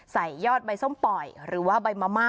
ยอดใบส้มปล่อยหรือว่าใบมะม่า